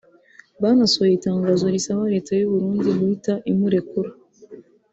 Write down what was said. banasohoye itangazo risaba Leta y’u Burundi guhita imurekura